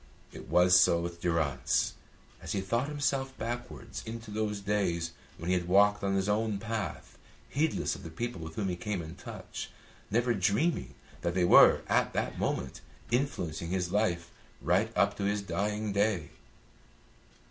It was so with Durrance as he thought himself backwards into those days when he had walked on his own path, heedless of the people with whom he came in touch, never dreaming that they were at that moment influencing his life right up to his dying day.